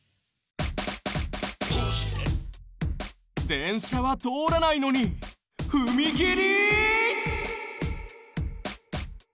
でんしゃはとおらないのにふみきり？